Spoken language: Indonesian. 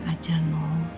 baik aja nung